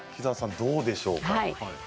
どうでしょうか。